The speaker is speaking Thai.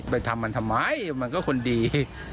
ทำมันทำไมมันก็คนดี